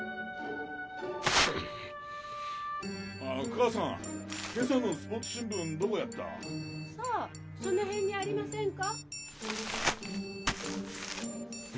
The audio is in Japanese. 母さん今朝のスポーツ新聞どこやった？さあその辺にありませんか？